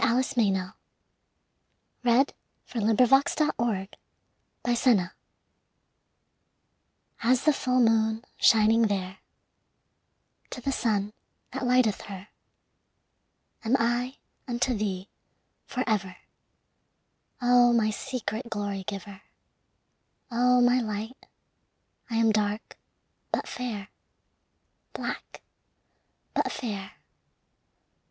THE POET SINGS TO HER POET THE MOON TO THE SUN As the full moon shining there To the sun that lighteth her Am I unto thee for ever, O my secret glory giver! O my light, I am dark but fair, Black but fair.